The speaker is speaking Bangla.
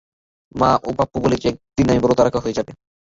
মা ও পাপ্পুও বলে যে একদিন আমি বড় তারকা হয়ে যাব।